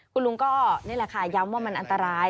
คุณลุงก็นี่แหละค่ะย้ำว่ามันอันตราย